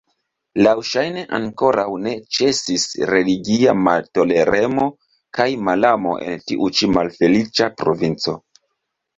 Laŭŝajne ankoraŭ ne ĉesis religia maltoleremo kaj malamo en tiu ĉi malfeliĉa provinco.